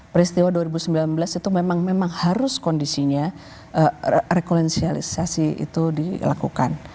peristiwa dua ribu sembilan belas itu memang harus kondisinya rekolensialisasi itu dilakukan